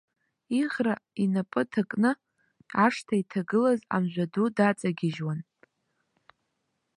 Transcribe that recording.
Иӷра инапы ҭакны ашҭа иҭагылаз амжәа ду даҵагьежьуан.